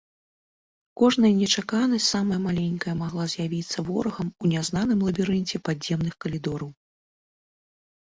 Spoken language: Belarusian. Кожная нечаканасць, самая маленькая, магла з'явіцца ворагам у нязнаным лабірынце падземных калідораў.